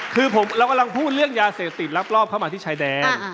คือเรากำลังพูดเรื่องยาเสพติดรับรอบเข้ามาที่ชายแดน